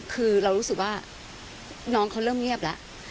คือเรารู้สึกว่าน้องเขาเริ่มเงียบแล้ว